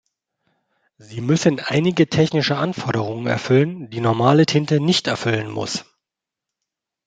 Sie müssen einige technische Anforderungen erfüllen, die normale Tinte nicht erfüllen muss.